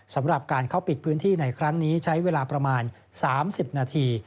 สำหรับการเข้าปิดพื้นที่ในครั้งนี้ใช้เวลาประมาณ๓๐นาที